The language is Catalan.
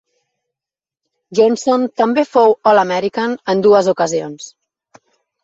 Johnson també fou All-American en dues ocasions.